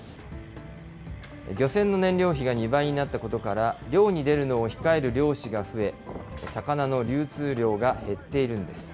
漁船の燃料費が２倍になったことから、漁に出るのを控える漁師が増え、魚の流通量が減っているんです。